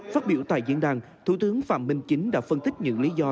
phát biểu tại diễn đàn thủ tướng phạm minh chính đã phân tích những lý do